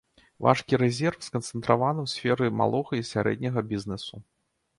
Важкі рэзерв сканцэнтраваны ў сферы малога і сярэдняга бізнэсу.